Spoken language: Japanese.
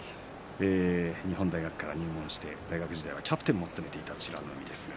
日本大学から入門して大学時代はキャプテンも務めていた美ノ海。